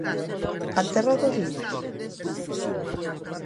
A terra dos libres?